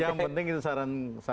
yang penting itu saran kami ya